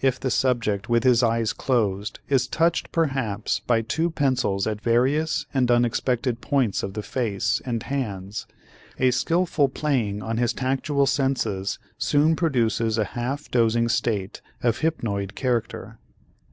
If the subject with his eyes closed is touched perhaps by two pencils at various and unexpected points of the face and hands, a skillful playing on his tactual senses soon produces a half dozing state of hypnoid character.